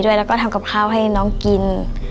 แล้วก็ทำกับข้าวให้น้องกิน